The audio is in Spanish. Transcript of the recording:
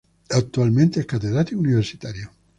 Actualmente es catedrático universitario.